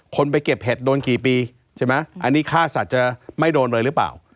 ไปเก็บเห็ดโดนกี่ปีใช่ไหมอันนี้ฆ่าสัตว์จะไม่โดนเลยหรือเปล่า